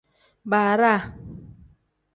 Baaraa.